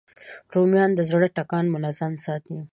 رومیان د زړه ټکان منظم ساتي